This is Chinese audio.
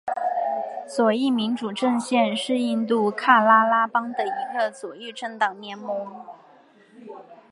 左翼民主阵线是印度喀拉拉邦的一个左翼政党联盟。